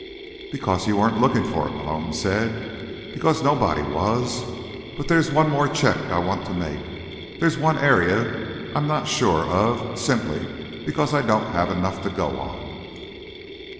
"Because you weren't looking for it," Malone said. "Because nobody was. But there's one more check I want to make. There's one area I'm not sure of, simply because I don't have enough to go on."